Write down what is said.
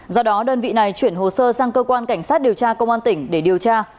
do đó đơn vị này chuyển hồ sơ sang cơ quan cảnh sát điều tra công an tỉnh để điều tra